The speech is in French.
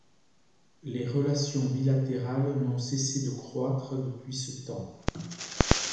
Les relations bilatérales n'ont cessé de croître depuis ce temps.